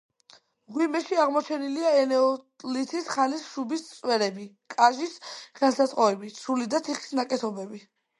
მღვიმეში აღმოჩენილია ენეოლითის ხანის შუბის წვერები, კაჟის ხელსაწყოები, ცული და თიხის ნაკეთობები.